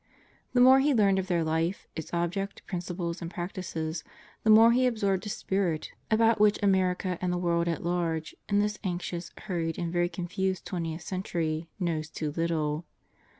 The more he learned of their life, its object, principles and prac tices, the more he absorbed a spirit about which America and the world at large, in this anxious, hurried, and very confused twentieth century knows too little.